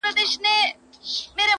سعوده! زۀ هم د بې حسو بې ضمیرو په شان